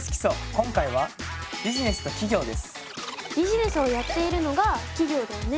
今回はビジネスをやっているのが企業だよね？